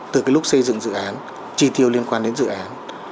từ cái lúc xây dựng dự án chi tiêu liên quan đến dự án